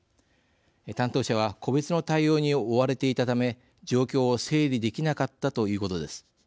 担当者は個別の対応に追われていたため状況を整理できなかったということです。